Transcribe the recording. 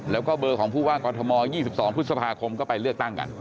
แล้วก็เบอร์ของผู้ว่ากอทม๒๒พฤษภาคมก็ไปเลือกตั้งกัน